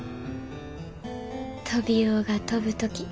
「トビウオが飛ぶとき